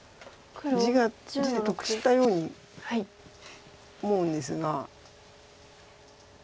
地で得したように思うんですが。